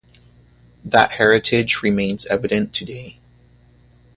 That heritage remains evident today.